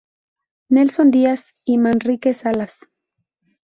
Nelson Díaz y Manrique Salas.